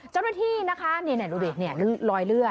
เจ้าหน้าที่นะคะนี่ดูดิรอยเลือด